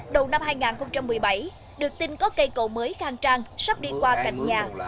đầu năm hai nghìn một mươi bảy được tin có cây cầu mới khang trang sắp đi qua cạnh nhà